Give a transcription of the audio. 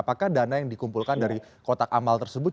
apakah dana yang dikumpulkan dari kotak amal tersebut